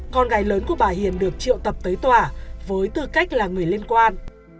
con gái lớn của bà hiền được triệu tập tới tòa với tư cách là người liên quan